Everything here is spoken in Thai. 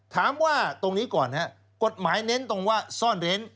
ถามว่าตรงนี้ก่อนนะครับกฎหมายเน้นตรงว่าซ่อนเร้น